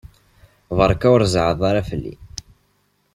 Beṛka ur zeɛɛeḍ ara fell-i.